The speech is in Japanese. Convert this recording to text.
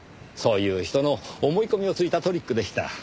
そういう人の思い込みを突いたトリックでした。